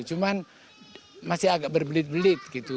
cuman masih agak berbelit belit gitu